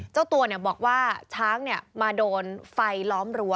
เจ้าตัวบอกว่าช้างมาโดนไฟล้อมรั้ว